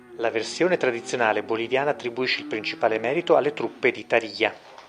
La versione tradizionale boliviana attribuisce il principale merito alle truppe di Tarija.